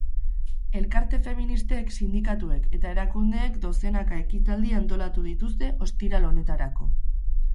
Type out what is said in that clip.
Elkarte feministek, sindikatuek eta erakundeek dozenaka ekitaldi antolatu dituzte ostiral honetarako.